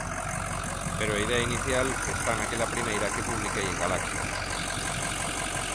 Pero a idea inicial está naquela primeira que publiquei en Galaxia.